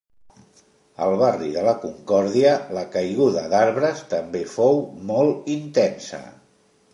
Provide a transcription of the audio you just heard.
Al barri de la Concòrdia la caiguda d'arbres també fou molt intensa.